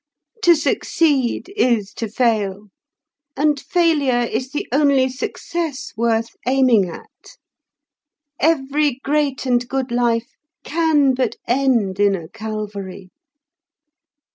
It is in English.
To succeed is to fail, and failure is the only success worth aiming at. Every great and good life can but end in a Calvary."